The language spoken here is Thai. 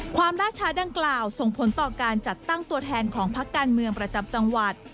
ล่าช้าดังกล่าวส่งผลต่อการจัดตั้งตัวแทนของพักการเมืองประจำจังหวัด